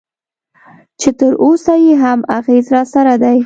چې تراوسه یې هم اغېز راسره دی.